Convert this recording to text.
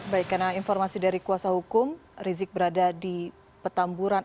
baik karena informasi dari kuasa hukum rizik berada di petamburan